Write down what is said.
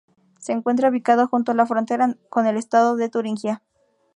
Se encuentra ubicado junto a la frontera con el estado de Turingia.